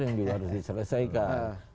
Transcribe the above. yang juga harus diselesaikan